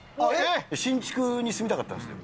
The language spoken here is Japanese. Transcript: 新築に住みたかったんですよ。